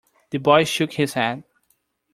The boy shook his head.